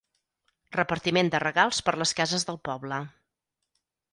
Repartiment de regals per les cases del poble.